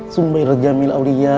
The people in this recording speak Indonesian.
sumbairat jamil awliya